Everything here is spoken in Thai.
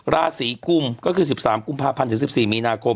ราศีกุมก็คือ๑๓กุมภาพันธ์ถึง๑๔มีนาคม